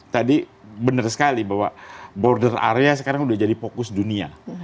tadi benar sekali bahwa border area sekarang sudah jadi fokus dunia